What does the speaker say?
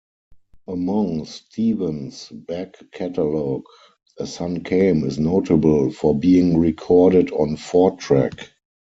Among Stevens' back catalog, "A Sun Came" is notable for being recorded on four-track.